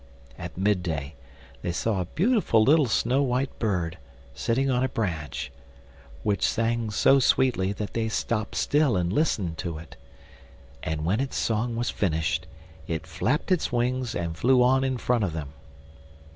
At midday they saw a beautiful little snow white bird sitting on a branch, which sang so sweetly that they stopped still and listened to it. And when its song was finished it flapped its wings and flew on in front of them.